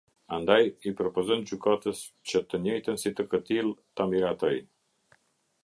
Andaj, i propozon gjykatës që të njëjtën si të këtillë t’a miratojë.